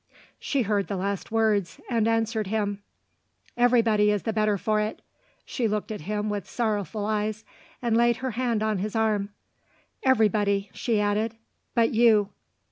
She heard the last words, and answered him. "Everybody is the better for it." She looked at him with sorrowful eyes, and laid her hand on his arm. "Everybody," she added, "but you."